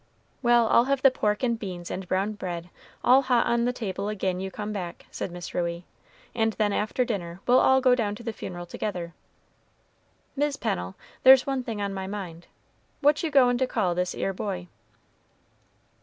"Well, I'll have the pork and beans and brown bread all hot on table agin you come back," said Miss Ruey, "and then after dinner we'll all go down to the funeral together. Mis' Pennel, there's one thing on my mind, what you goin' to call this 'ere boy?"